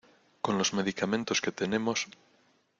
con los medicamentos que tenemos